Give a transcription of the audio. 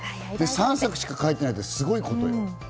３作しか描いてないってすごいことよ。